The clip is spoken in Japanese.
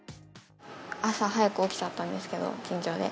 朝早く起きちゃったんですけど、緊張で。